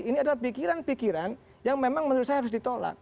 ini adalah pikiran pikiran yang memang menurut saya harus ditolak